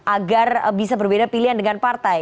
agar bisa berbeda pilihan dengan partai